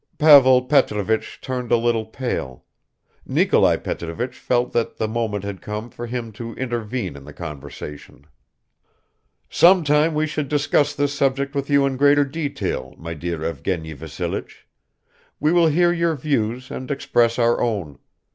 Pavel Petrovich turned a little pale ... Nikolai Petrovich felt that the moment had come for him to intervene in the conversation. "Sometime we should discuss this subject with you in greater detail, my dear Evgeny Vassilich; we will hear your views and express our own.